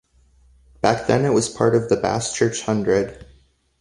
Back then it was part of the Baschurch Hundred.